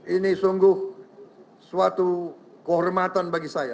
ini sungguh suatu kehormatan